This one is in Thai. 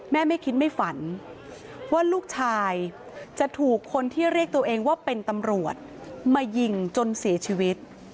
ไม่คิดไม่ฝันว่าลูกชายจะถูกคนที่เรียกตัวเองว่าเป็นตำรวจมายิงจนเสียชีวิต